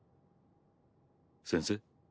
先生？